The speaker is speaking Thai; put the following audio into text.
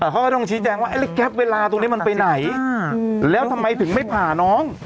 เขาก็ต้องชี้แจงว่าไอ้แก๊ปเวลาตรงนี้มันไปไหนแล้วทำไมถึงไม่ผ่าน้อง